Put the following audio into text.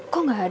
kok gak ada